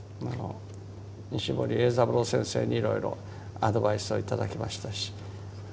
西堀榮三郎先生にいろいろアドバイスを頂きましたし。